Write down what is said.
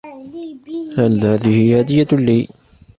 هل هذهِ هدية لي؟